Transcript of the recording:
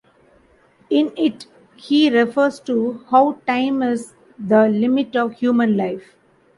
In it, he refers to how time is the limit of human life.